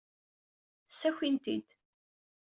Ssakin-t-id.